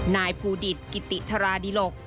นายภูดิตกิติธาราดิหลก